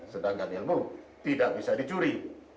sedangkan ilmu tidak bisa dicuri